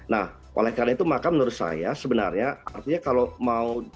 nah oleh karena itu maka menurut saya sebenarnya artinya kalau mau